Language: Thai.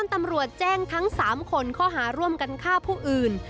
ตำรวจแจ้งทั้ง๓คนข้อหาร่วมกันฆ่าผู้อื่น